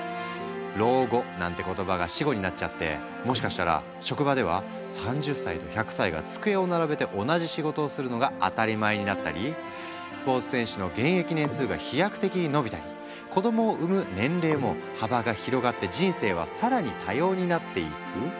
老後なんて言葉が死語になっちゃってもしかしたら職場では３０歳と１００歳が机を並べて同じ仕事をするのが当たり前になったりスポーツ選手の現役年数が飛躍的にのびたり子供を産む年齢も幅が広がって人生は更に多様になっていく？